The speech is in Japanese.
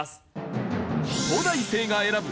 東大生が選ぶ！